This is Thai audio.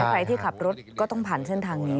ใครที่ขับรถก็ต้องผ่านเส้นทางนี้